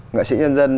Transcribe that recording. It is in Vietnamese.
nghệ sĩ nhân dân